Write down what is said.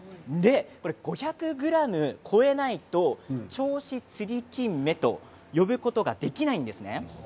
５００ｇを超えないと銚子つりきんめと呼ぶことができないんです。